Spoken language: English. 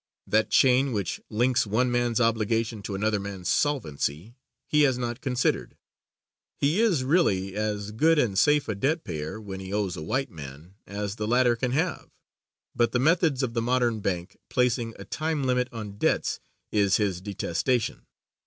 That chain which links one man's obligation to another man's solvency he has not considered. He is really as good and safe a debt payer when he owes a white man as the latter can have, but the methods of the modern bank, placing a time limit on debts, is his detestation.